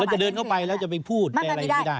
เราจะเดินเข้าไปแล้วจะไปพูดแต่อะไรยังไม่ได้